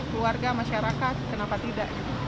keluarga masyarakat kenapa tidak